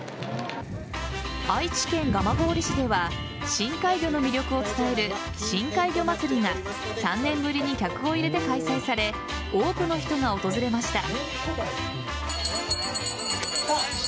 愛知県蒲郡市では深海魚の魅力を伝える深海魚まつりが３年ぶりに客を入れて開催され多くの人が訪れました。